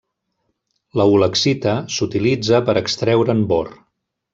La ulexita s'utilitza per extreure'n bor.